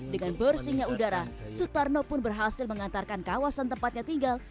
dengan bersihnya udara sutarno pun berhasil mengantarkan kawasan tempatnya tinggal